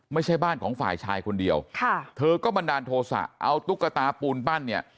ไม่ใช่บ้านของฝ่ายชายคนเดียวค่ะเธอก็บันดาลโทษะเอาตุ๊กตาปูนปั้นเนี่ย